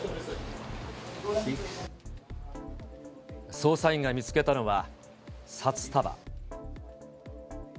捜査員が見つけたのは札束。